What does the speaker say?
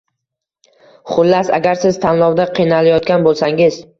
Xullas, agar siz tanlovda qiynalayotgan bo‘lsangiz